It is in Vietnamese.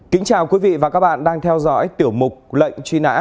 kính chào quý vị và các bạn đang theo dõi tiểu mục lệnh truy nã